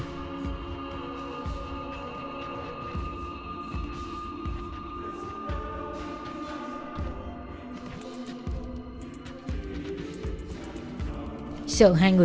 sợ hai người chưa chết đại đã thắt cổ từng người